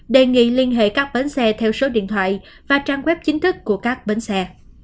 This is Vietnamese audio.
đề nghị liên hệ các bến xe theo số điện thoại và trang web chính thức của các bến xe